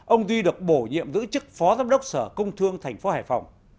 ông duy được bổ nhiệm giữ chức phó giám đốc sở công thương thành phố hải phòng